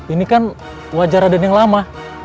ini kan wajah raden yang lama